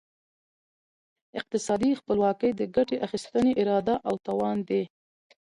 اقتصادي خپلواکي د ګټې اخیستني اراده او توان دی.